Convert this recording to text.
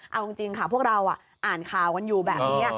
เอาจริงค่ะพวกเราอ่านข่าวกันอยู่แบบนี้